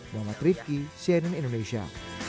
mohon maaf saya cnn indonesia